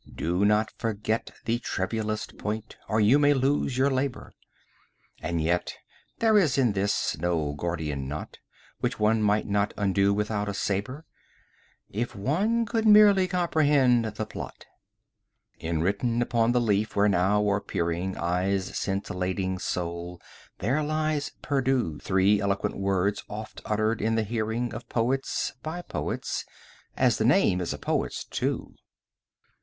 Do not forget The trivialest point, or you may lose your labor: And yet there is in this no Gordian knot 10 Which one might not undo without a sabre, If one could merely comprehend the plot. Enwritten upon the leaf where now are peering Eyes scintillating soul, there lie perdus Three eloquent words oft uttered in the hearing 15 Of poets, by poets as the name is a poet's, too.